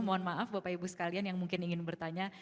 mohon maaf bapak ibu sekalian yang mungkin ingin bertanya